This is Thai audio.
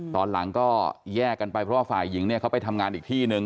ตอนหลังก็แยกกันไปเพราะว่าฝ่ายหญิงเนี่ยเขาไปทำงานอีกที่นึง